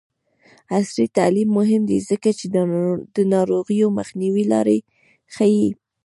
عصري تعلیم مهم دی ځکه چې د ناروغیو مخنیوي لارې ښيي.